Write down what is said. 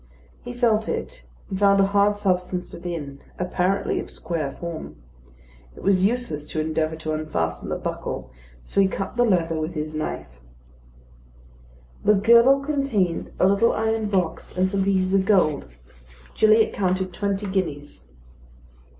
He felt it, and found a hard substance within, apparently of square form. It was useless to endeavour to unfasten the buckle, so he cut the leather with his knife. The girdle contained a little iron box and some pieces of gold. Gilliatt counted twenty guineas.